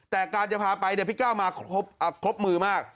แต่การจะพาไปพี่ก้าวมาครบมือมาก